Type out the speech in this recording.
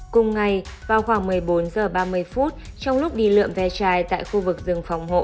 cùng ngày vào khoảng một mươi bốn h ba mươi trong lúc đi lượm ve chai tại khu vực rừng phòng hộ